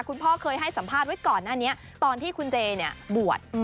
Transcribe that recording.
คุณพ่อเคยให้สัมภาษณ์ไว้ก่อนหน้านี้ตอนที่คุณเจบวช